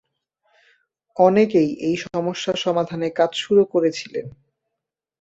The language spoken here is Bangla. অনেকেই এই সমস্যা সমাধানে কাজ শুরু করেছিলেন।